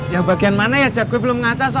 yang bagian mana ya jak gue belum ngaca soalnya jak